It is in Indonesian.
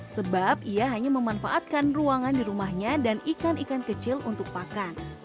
sebab ia hanya memanfaatkan ruangan di rumahnya dan ikan ikan kecil untuk pakan